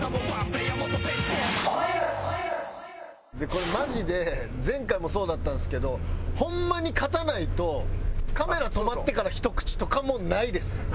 これマジで前回もそうだったんですけどホンマに勝たないとカメラ止まってからひと口とかもないです。